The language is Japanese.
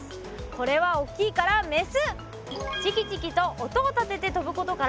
これはおっきいからメス！